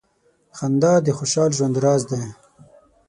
• خندا د خوشال ژوند راز دی.